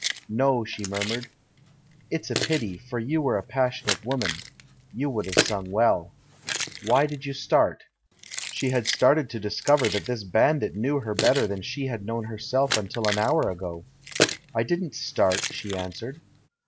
"No," she murmured. "It's a pity, for you are a passionate woman — you would have sung well. Why did you start ?" She had started to discover that this bandit knew her better than she had known herself un til an hour ago. "I didn't start," she answered.